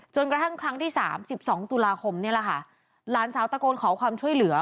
กระทั่งครั้งที่สามสิบสองตุลาคมนี่แหละค่ะหลานสาวตะโกนขอความช่วยเหลือ